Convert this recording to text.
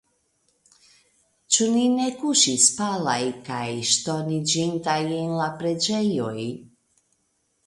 Ĉu ni ne kuŝis palaj kaj ŝtoniĝintaj en la preĝejoj ?